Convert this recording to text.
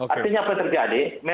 artinya apa yang terjadi